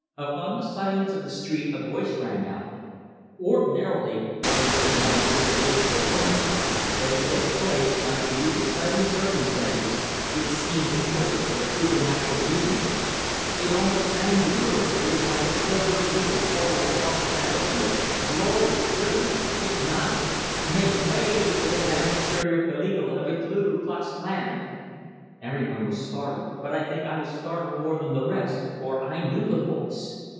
Upon the silence of the street a voice rang out. Ordinarily, one would have known it was the voice of a woman; but in this place, under these exciting circumstances, it seemed the voice of a supernatural being. It almost sang the words; it was like a silver bugle calling across a battle field glorious, thrilling, hypnotic. "Make way y y y for the Grand Imperial Kle e e agle of the Ku u Klux Klan!" Every one was startled; but I think I was startled more that the rest, for I knew the voice!